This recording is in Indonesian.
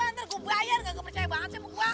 ntar gua bayar ga kepercaya banget sih mau gua